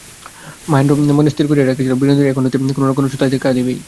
মহেন্দ্র মনে স্থির করিয়া রাখিয়াছিল, বিনোদিনী এখন হইতে কোনো-না-কোনো ছুতায় দেখা দিবেই।